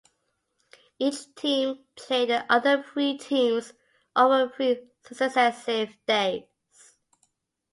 Each team played the other three teams over three successive days.